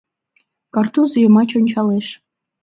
Картуз йымач ончалеш.